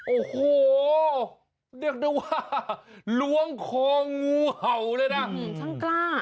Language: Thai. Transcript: โอ้โหเดี๋ยวดูว่าหลวงคองูเห่าเลยนะอื้มฉันกล้า